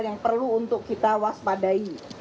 yang perlu untuk kita waspadai